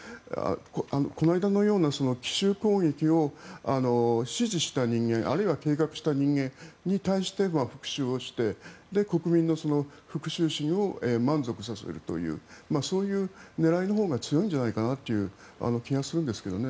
この間のような奇襲攻撃を指示した人間あるいは、計画した人間に対して復讐をして、国民の復讐心を満足させるというそういう狙いのほうが強いんじゃないかなという気がするんですけどね。